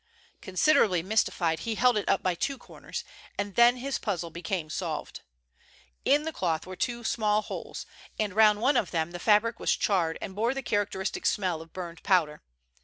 Considerably mystified, he held it up by two corners, and then his puzzle became solved. In the cloth were two small holes, and round one of them the fabric was charred and bore the characteristic smell of burned powder.